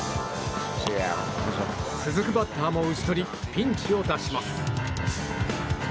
続くバッターも打ち取りピンチを脱します。